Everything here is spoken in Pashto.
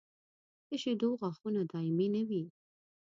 د شېدو غاښونه دایمي نه وي.